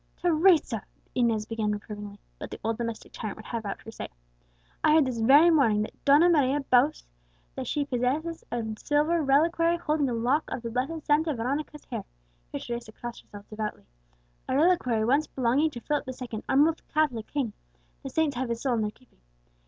"Teresa!" Inez began reprovingly; but the old domestic tyrant would have out her say. "I heard this very morning that Donna Maria boasts that she possesses a silver reliquary holding a lock of the blessed Santa Veronica's hair" (here Teresa crossed herself devoutly), "a reliquary once belonging to Philip the Second, our most Catholic king, the saints have his soul in their keeping!"